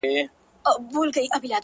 چي له سترگو څخه اوښكي راسي!